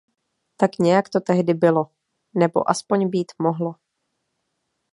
Tak nějak to tehdy bylo... nebo aspoň být mohlo.